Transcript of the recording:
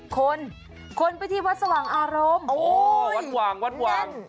คนคนไปที่วัดสว่างอารมณ์โอ้หวานวันหว่าง